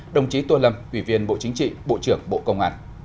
đồng chí tô lâm ủy viên bộ chính trị bộ trưởng bộ công an